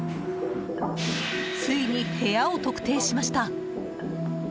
ついに部屋を特定しました。